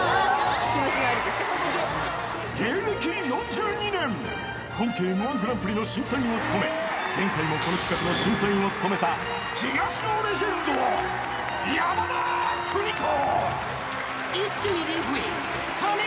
［芸歴４２年本家Ｍ−１グランプリの審査員を務め前回もこの企画の審査員を務めた東のレジェンド山田邦子］